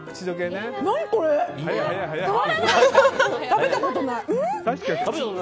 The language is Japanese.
食べたことない。